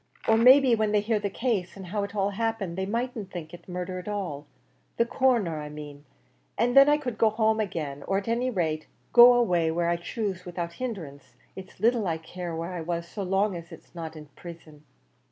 Or may be when they hear the case, and how it all happened, they mightn't think it murder at all, the Coroner I main; and then I could go home agin, or at any rate go away where I choose without hindrance; it's little I care where I was, so long as it's not in prison."